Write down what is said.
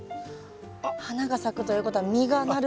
花が咲くということは実がなる？